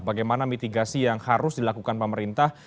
bagaimana mitigasi yang harus dilakukan pemerintah